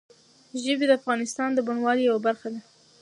ژبې د افغانستان د بڼوالۍ یوه برخه ده.